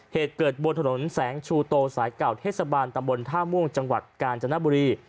เหตุเกิดบนถนนแสงชูโตสายเก่าเทศบาลตำบลท่าม่วงจังหวัดกาญจนบุรี